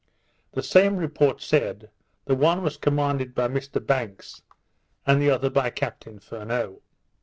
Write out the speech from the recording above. The same report said, the one was commanded by Mr Banks, and the other by Captain Furneaux.